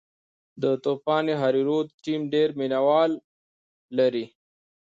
د طوفان هریرود ټیم ډېر مینه وال لري.